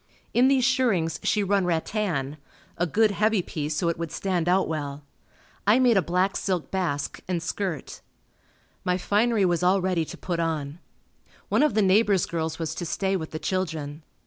In these shirrings she run rattan a good heavy piece so it would stand out well. I made a black silk basque and skirt. My finery was all ready to put on. One of the neighbor's girls was to stay with the children.